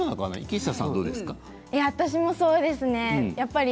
私もそうですね。